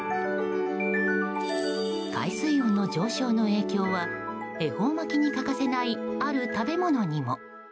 海水温の上昇の影響は恵方巻に欠かせないある食べ物にも。